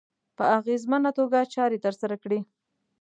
په اغېزمنه توګه چارې ترسره کړي.